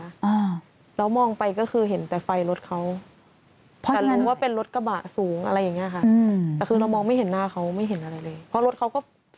รถเขาไม่เห็นอะไรเลยเพราะรถเขาก็ฟิล์มมืดเหมือนกัน